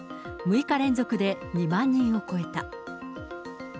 ６日連続で２万人を超えた。